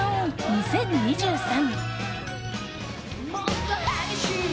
２０２３。